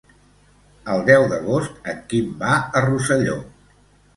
El deu d'agost en Quim va a Rosselló.